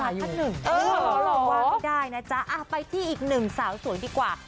ว่าไม่ได้นะจ๊ะไปที่อีกหนึ่งสาวสวยดีกว่า